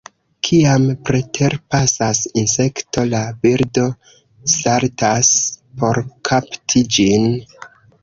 Kiam preterpasas insekto, la birdo saltas por kapti ĝin.